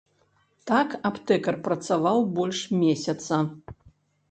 Так аптэкар працаваў больш месяца.